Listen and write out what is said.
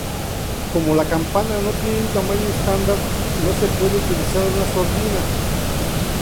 Como la campana no tiene un tamaño estándar, no se puede utilizar una sordina.